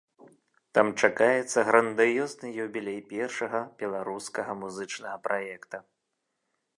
Там чакаецца грандыёзны юбілей першага беларускага музычнага праекта.